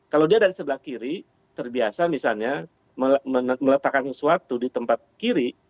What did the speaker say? kalau dia dari sebelah kiri terbiasa misalnya meletakkan sesuatu di tempat kiri